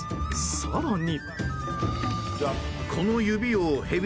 更に。